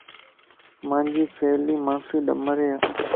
مانجي سھيلي مانسي ڏمري اي